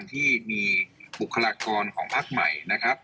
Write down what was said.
ที่มีบุคลากรของพักใหม่